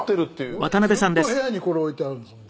「俺ずっと部屋にこれ置いてあるんですもん